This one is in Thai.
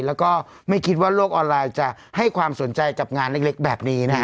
แล้วก็ไม่คิดว่าโลกออนไลน์จะให้ความสนใจกับงานเล็กแบบนี้นะฮะ